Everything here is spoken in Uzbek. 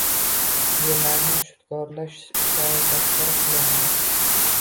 yerlarni shudgorlash ishlari tashkil qilindi